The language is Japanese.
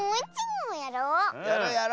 やろうやろう！